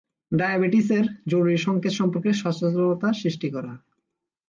ডায়াবেটিসের জরুরি সংকেত সম্পর্কে সচেতনতা সৃষ্টি করা।